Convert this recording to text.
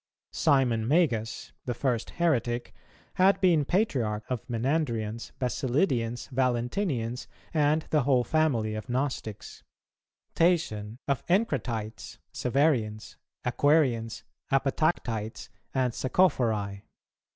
Simon Magus, the first heretic, had been Patriarch of Menandrians, Basilidians, Valentinians, and the whole family of Gnostics; Tatian of Encratites, Severians, Aquarians, Apotactites, and Saccophori.